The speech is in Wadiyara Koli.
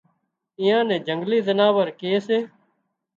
ايئان نين جنگلي زناور ڪي سي